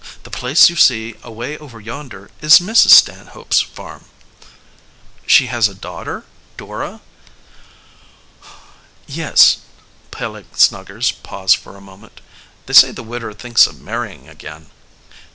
That place you see away over yonder is Mrs. Stanhope's farm." "She has a daughter Dora?" "Yes," Peleg Snuggers paused for a moment. "They say the widder thinks of marrying again."